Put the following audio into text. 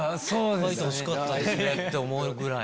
描いてほしかったなって思うぐらい。